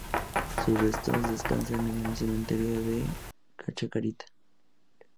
Sus restos descansan en el Cementerio de Chacarita.